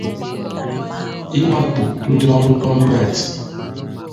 iwakpò ndị ọrụ gọọmenti